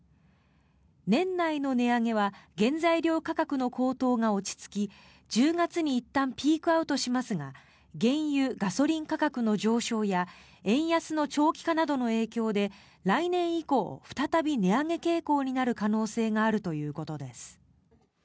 年内の値上げは原材料価格の高騰が落ち着き１０月にいったんピークアウトしますが原油・ガソリン価格の上昇や円安の長期化などの影響で来年以降、再び値上げ傾向になる可能性があるということです。